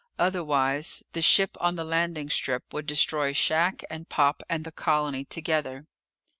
Otherwise the ship on the landing strip would destroy shack and Pop and the colony together.